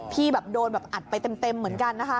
พี่แบบโดนแบบอัดไปเต็มเหมือนกันนะคะ